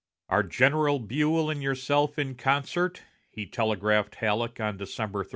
"Are General Buell and yourself in concert?" he telegraphed Halleck on December 31.